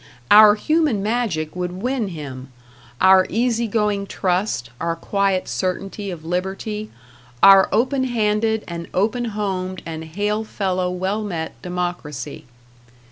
Our human magic would win him our easy going trust, our quiet certainty of liberty, our open handed and open homed and hail fellow well met democracy.